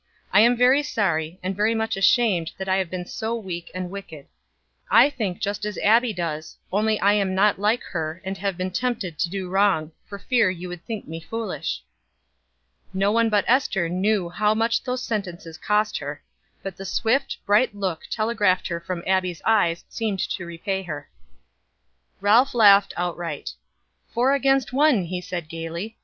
I am very sorry, and very much ashamed that I have been so weak and wicked. I think just as Abbie does, only I am not like her, and have been tempted to do wrong, for fear you would think me foolish." No one but Ester knew how much these sentences cost her; but the swift, bright look telegraphed her from Abbie's eyes seemed to repay her. Ralph laughed outright. "Four against one," he said gaily.